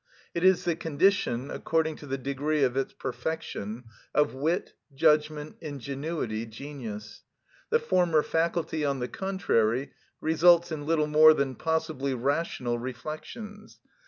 It is the condition, according to the degree of its perfection, of wit, judgment, ingenuity, genius. The former faculty, on the contrary, results in little more than possibly rational reflections.